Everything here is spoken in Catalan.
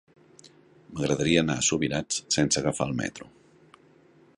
M'agradaria anar a Subirats sense agafar el metro.